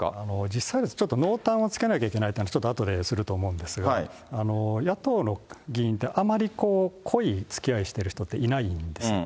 実際ですね、濃淡をつけなきゃいけないと、ちょっとあとですると思うんですが、野党の議員って、あまりこう、濃いつきあいしている人っていないんです。